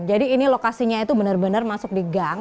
jadi ini lokasinya itu bener bener masuk di gang